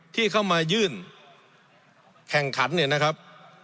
ที่เข้ามายื่นแข่งขันเนี่ยนะครับ